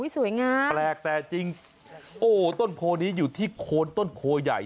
สวยงามแปลกแต่จริงโอ้ต้นโพนี้อยู่ที่โคนต้นโพใหญ่